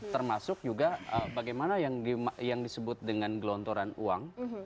termasuk juga bagaimana yang disebut dengan gelontoran uang